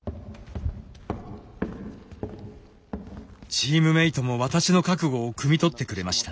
チームメートも私の覚悟をくみ取ってくれました。